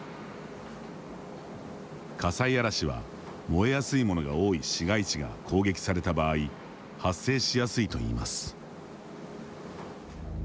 火災嵐は、燃えやすいものが多い市街地が攻撃された場合発生しやすいといいます。